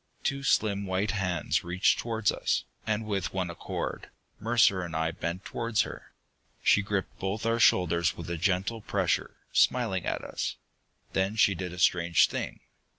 Two slim white hands reached towards us, and with one accord, Mercer and I bent towards her. She gripped both our shoulders with a gentle pressure, smiling at us. Then she did a strange thing.